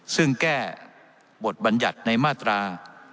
ซึ่งแก้บทบัญญัติในมาตรา